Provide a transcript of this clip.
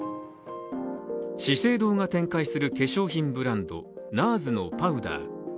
資生堂が展開する化粧品ブランド、ＮＡＲＳのパウダー。